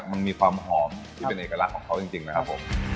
มันมีความหอมที่เป็นเอกลักษณ์ของเขาจริงนะครับผม